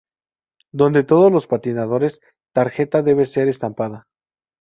Dónde todo los patinadores tarjeta debe ser estampada.